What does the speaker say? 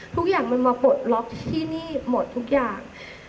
ทุกอย่างมันมาปลดล็อกที่นี่หมดทุกอย่าง